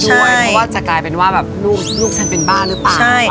เพราะว่าจะกลายเป็นว่าแบบลูกฉันเป็นบ้าหรือเปล่า